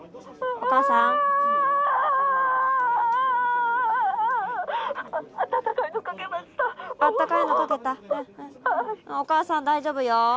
おかあさん大丈夫よ。